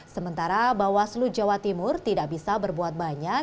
sementara bawah selu jawa timur tidak bisa berbuat banyak